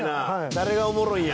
「誰がおもろいんや！」